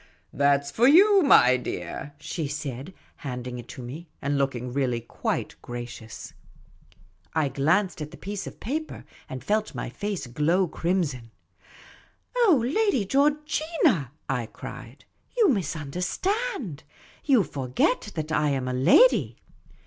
" That 's for you, my dear," she said, handing it to me, and looking really quite gracious. I glanced at the piece of paper and felt my face glow crim son. " Oh, Lady Georgina," I cried; " you misunderstand. You forget that I am a lady."